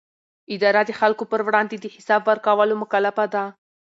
اداره د خلکو پر وړاندې د حساب ورکولو مکلفه ده.